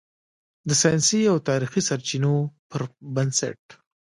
د "ساینسي او تاریخي سرچینو" پر بنسټ